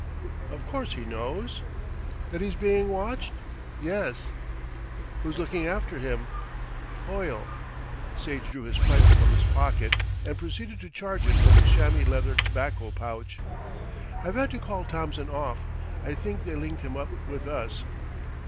"Of course he knows?" "That he's being watched? Yes." "Who's looking after him?" "Hoyle." Sage drew his pipe from his pocket and proceeded to charge it from a chamois leather tobacco pouch. "I've had to call Thompson off, I think they linked him up with us."